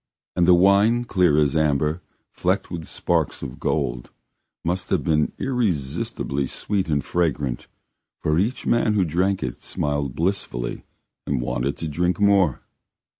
And the wine, clear as amber, flecked with sparks of gold, must have been irresistibly sweet and fragrant, for each man who drank it smiled blissfully and wanted to drink more.